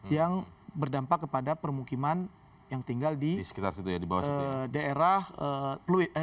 yang berdampak kepada permukiman yang tinggal di daerah pluit